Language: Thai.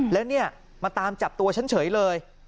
แล้วเนี่ยมาตามจับตัวฉันเฉยเลย